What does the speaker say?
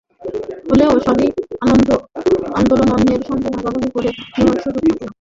হলেও সেই আনন্দ অন্যের সঙ্গে ভাগাভাগি করে নেওয়ার সুযোগ থাকে না।